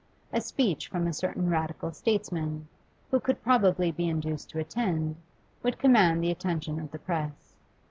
A speech from a certain Radical statesman, who could probably be induced to attend, would command the attention of the press.